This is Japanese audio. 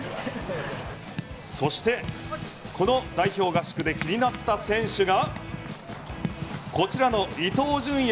そしてこの代表合宿で気になった選手がこちらの伊東純也。